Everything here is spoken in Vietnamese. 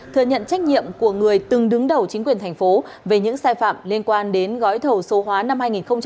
thừa nhận trách nhiệm của người từng đứng đầu chính quyền thành phố về những sai phạm liên quan đến gói thầu số hóa năm hai nghìn một mươi chín